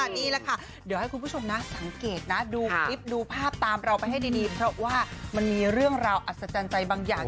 นี่แหละค่ะเดี๋ยวให้คุณผู้ชมนะสังเกตนะดูคลิปดูภาพตามเราไปให้ดีเพราะว่ามันมีเรื่องราวอัศจรรย์ใจบางอย่าง